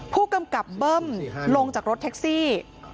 ผู้กำกับเบิ้มลงจากรถแท็กซี่